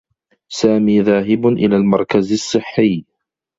سامي ذاهب إلى المركز الصّحّي.